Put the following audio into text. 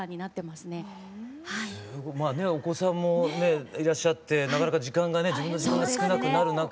まあねお子さんもいらっしゃってなかなか時間がね自分の時間が少なくなる中。